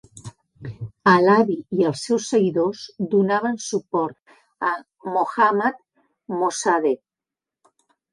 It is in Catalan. Halabi i els seus seguidors donaven suport a Mohammad Mosaddegh.